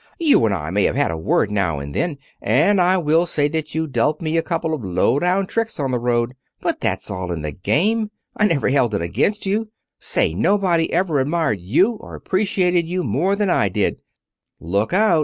"You and I may have had a word, now and then, and I will say that you dealt me a couple of low down tricks on the road, but that's all in the game. I never held it up against you. Say, nobody ever admired you or appreciated you more than I did " "Look out!"